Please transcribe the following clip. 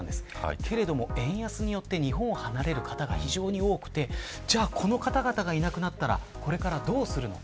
けれども、円安によって日本を離れる方が非常に多くてこの方がいなくなったらこれからどうするのか。